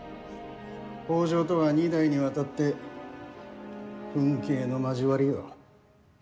北条とは二代にわたって刎頸の交わりよ。